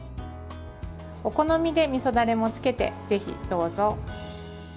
お好みで、みそダレもつけてぜひどうぞ。